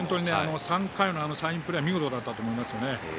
３回のサインプレーは見事だったと思いますね。